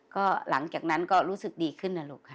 ก็หลังจากนั้นก็รู้สึกดีขึ้นนะลูกค่ะ